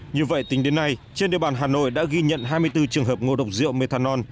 như vậy tính đến nay trên địa bàn hà nội đã ghi nhận hai mươi bốn trường hợp ngộ độc rượu methanol